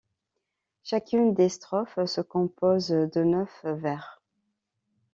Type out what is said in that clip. Chacune des strophes se compose de neuf vers.